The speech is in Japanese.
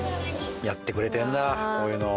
やってくれてんだこういうのを。